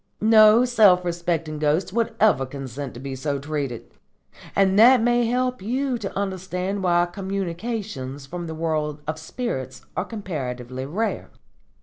No self respecting ghost would ever consent to be so treated; and that may help you to understand why communications from the world of spirits are comparatively rare.